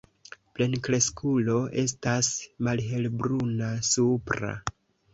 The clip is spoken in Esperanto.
Plenkreskulo estas malhelbruna supra.